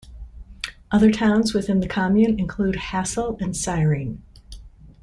Other towns within the commune include Hassel and Syren.